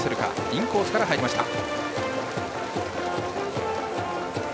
インコースから入りました。